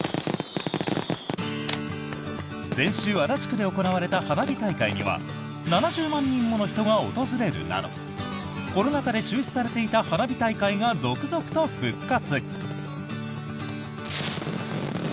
先週足立区で行われた花火大会には７０万人もの人が訪れるなどコロナ禍で中止されていた花火大会が続々と復活。